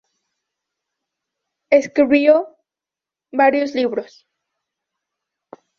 Escribió varios libros.